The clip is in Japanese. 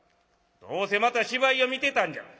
どうせまた芝居を見てたんじゃろ」。